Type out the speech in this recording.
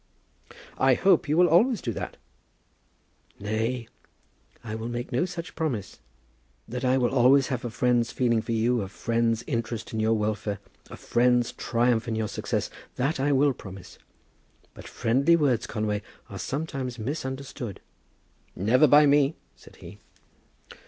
"I hope you will always do that." "Nay, I will make no such promise. That I will always have a friend's feeling for you, a friend's interest in your welfare, a friend's triumph in your success, that I will promise. But friendly words, Conway, are sometimes misunderstood." "Never by me," said he.